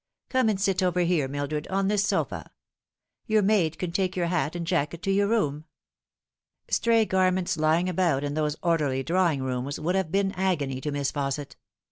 Come and sit over here, Mildred, on this sofa. Your maid can take your hat and jacket to your room." Stray garments lying about in those orderly drawing rooms would have been agony to Miss Fausset.